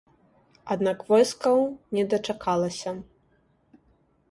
Аднак войскаў не дачакалася.